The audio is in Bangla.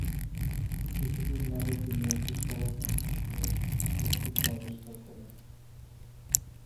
কিছুকাল বাদে তিনি একটি ষড়যন্ত্রের অস্তিত্ব আবিষ্কার করেন।